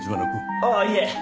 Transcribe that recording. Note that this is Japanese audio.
あっいえ。